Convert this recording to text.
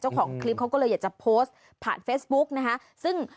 เจ้าของคลิปก็อยากจะโพสต์ขอบนะครับ